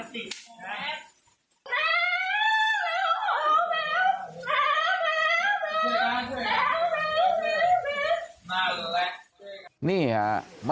แซม